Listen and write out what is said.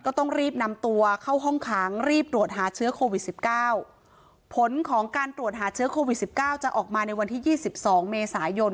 ก็ต้องรีบนำตัวเข้าห้องขังรีบตรวจหาเชื้อโควิดสิบเก้าผลของการตรวจหาเชื้อโควิดสิบเก้าจะออกมาในวันที่ยี่สิบสองเมษายน